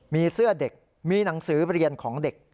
มีเสื้อเด็กมีหนังสือเรียนของเด็ก